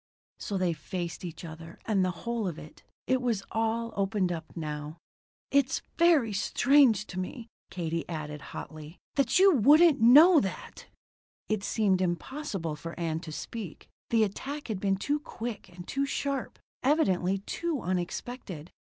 So they faced each other and the whole of it. It was all opened up now. "It's very strange to me," Katie added hotly, "that you wouldn't know that." It seemed impossible for Ann to speak; the attack had been too quick and too sharp; evidently, too unexpected.